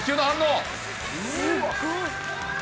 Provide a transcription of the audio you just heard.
すごい。